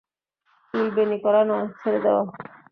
চুল বেণী করা নয়, ছেড়ে দেওয়া।